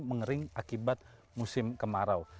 mengering akibat musim kemarau